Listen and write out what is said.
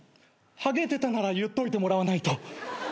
はげてたなら言っといてもらわないと。